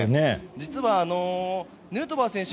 実は、ヌートバー選手